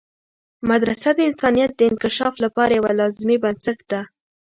مدرسه د انسانیت د انکشاف لپاره یوه لازمي بنسټ ده.